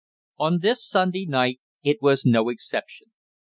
On this Sunday night it was no exception.